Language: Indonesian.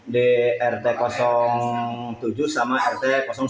di rt tujuh sama rt tujuh